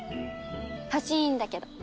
欲しいんだけど。